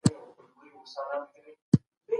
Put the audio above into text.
هغوی د نورو ولسونو ترڅنګ اغیزناک پاتې کېږي.